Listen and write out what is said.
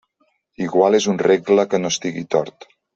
Igual és un regle que no estiga tort.